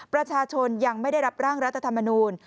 ประชาชนยังไม่ได้รับร่างรัฐธรรมนูล